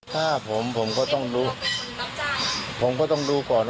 ถ้าผมก็ต้องดู